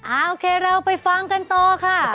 โอเคเราไปฟังกันต่อค่ะ